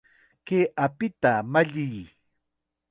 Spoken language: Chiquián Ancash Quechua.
¡Kay apita malliy!